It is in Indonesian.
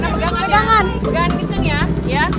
pegangan kenceng ya